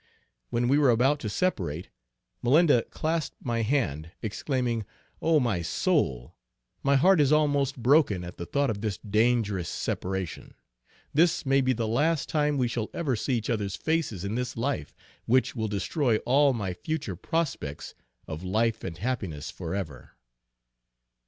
When we were about to separate, Malinda clasped my hand exclaiming, "oh my soul! my heart is almost broken at the thought of this dangerous separation. This may be the last time we shall ever see each other's faces in this life, which will destroy all my future prospects of life and happiness forever."